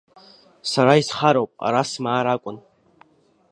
Сара исхароуп, ара смаар акәын.